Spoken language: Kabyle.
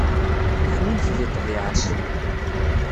Ḥninet deg ṭṭbiɛa-s.